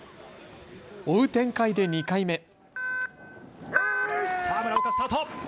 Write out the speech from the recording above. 追う展開で２回目。